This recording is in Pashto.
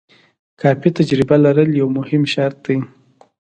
کافي تجربه لرل هم یو مهم شرط دی.